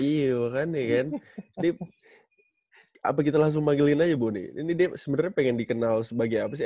iya kan ini apa kita langsung manggilin aja bu nih ini dia sebenarnya pengen dikenal sebagai apa sih